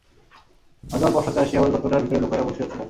আমি তোমার পশ্চাতে আসিয়া ঐ গর্তটার ভিতরে লুকাইয়া বসিয়া ছিলাম।